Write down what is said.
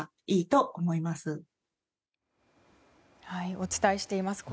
お伝えしています